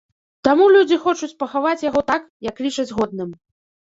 Таму людзі хочуць пахаваць яго так, як лічаць годным.